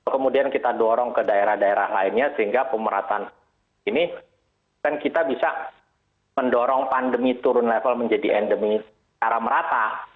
kemudian kita dorong ke daerah daerah lainnya sehingga pemerataan ini kan kita bisa mendorong pandemi turun level menjadi endemi secara merata